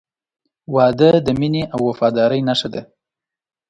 • واده د مینې او وفادارۍ نښه ده.